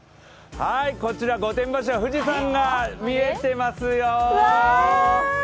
こちら、御殿場市は富士山が見えてますよ。